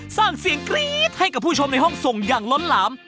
สร้างเสียงกรี๊ดให้กับผู้ชมในห้องส่งอย่างล้นหลาม